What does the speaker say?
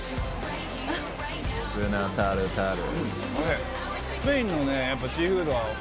ツナタルタル。